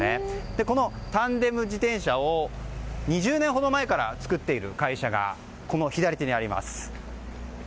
このタンデム自転車を２０年ほど前から作っている会社がこの左手にあります。